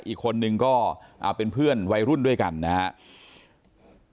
อีกคนนึงก็เป็นเพื่อนวัยรุ่นด้วยกันนะครับ